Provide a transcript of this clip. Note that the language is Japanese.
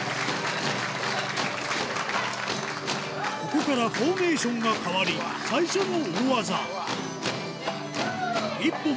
ここからフォーメーションが変わり最初の大技一歩